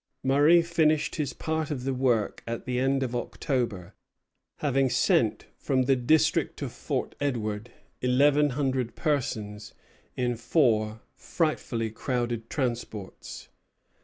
Murray finished his part of the work at the end of October, having sent from the district of Fort Edward eleven hundred persons in four frightfully crowded transports.